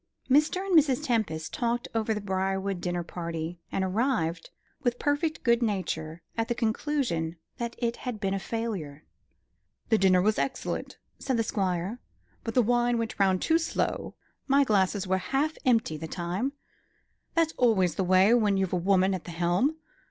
Mr. and Mrs. Tempest talked over the Briarwood dinner party, and arrived with perfect good nature at the conclusion that it had been a failure. "The dinner was excellent," said the Squire, "but the wine went round too slow; my glasses were empty half the time. That's always the way when you've a woman at the helm.